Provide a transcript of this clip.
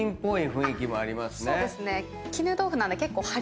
そうですね。